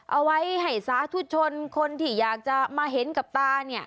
เอาไว้ให้สาธุชนคนที่อยากจะมาเห็นกับตาเนี่ย